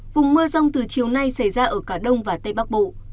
vùng mưa rông từ chiều nay xảy ra ở cả đông và tây bắc bộ